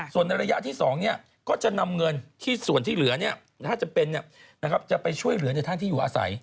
ส่วนในระยะที่๒ก็จะนำเงินที่ส่วนที่เหลือถ้าจำเป็นจะไปช่วยเหลือในทางที่อยู่อาศัย